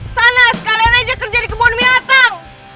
sana sekalian aja kerja di kebun binatang